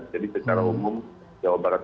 jadi secara umum jawa barat